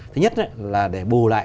thứ nhất là để bù lại